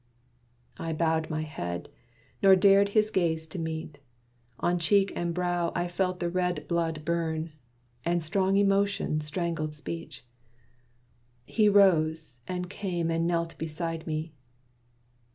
I bowed my head, nor dared his gaze to meet. On cheek and brow I felt the red blood burn, And strong emotion strangled speech. He rose And came and knelt beside me.